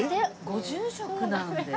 ご住職なんです。